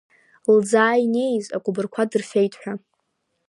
Лӡаа инеиз, акәыбырқәа дырфеит ҳәа…